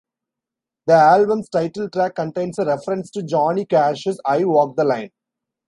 The album's title track contains a reference to Johnny Cash's "I Walk the Line".